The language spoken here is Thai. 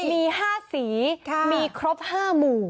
มี๕สีมีครบ๕หมู่